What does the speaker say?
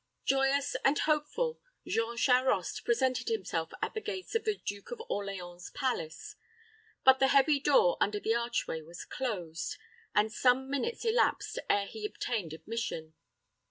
Joyous and hopeful, Jean Charost presented himself at the gates of the Duke of Orleans's palace; but the heavy door under the archway was closed, and some minutes elapsed ere he obtained admission.